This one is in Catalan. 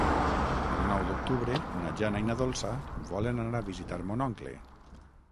El nou d'octubre na Jana i na Dolça volen anar a visitar mon oncle.